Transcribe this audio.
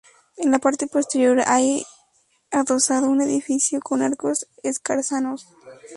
En la parte posterior hay adosado un edificio con arcos escarzanos.